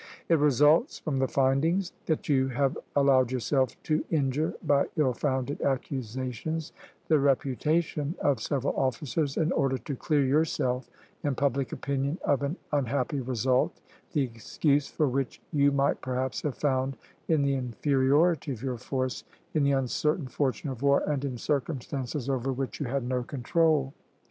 It results, from the findings, that you have allowed yourself to injure, by ill founded accusations, the reputation of several officers, in order to clear yourself in public opinion of an unhappy result, the excuse for which you might perhaps have found in the inferiority of your force, in the uncertain fortune of war, and in circumstances over which you had no control.